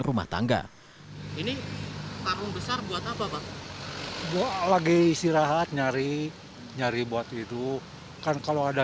rumah tangga ini karung besar buat apa pak lagi istirahat nyari nyari buat itu kan kalau ada